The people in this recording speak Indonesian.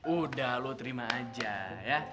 udah lo terima aja ya